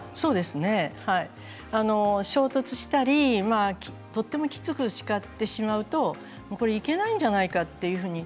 衝突したりとてもきつく叱ってしまうといけないんじゃないかというふうに。